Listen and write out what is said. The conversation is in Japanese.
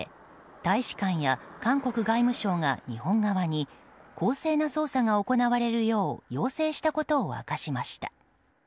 大使館や韓国外務省が日本側に公正な捜査が行われるよう要請したことを明かしました。